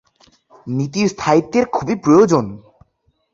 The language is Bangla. নীতির স্থায়িত্বের খুবই প্রয়োজন।